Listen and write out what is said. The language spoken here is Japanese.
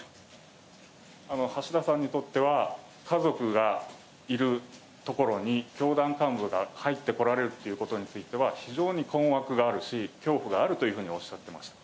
橋田さんにとっては、家族がいる所に、教団幹部が入ってこられるということについては、非常に困惑があるし、恐怖があるというふうにおっしゃってました。